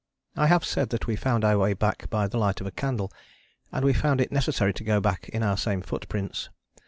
I have said that we found our way back by the light of a candle, and we found it necessary to go back in our same footprints.